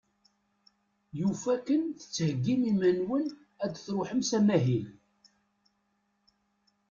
Yufa-ken tettheggim iman-nwen ad truḥem s amahil.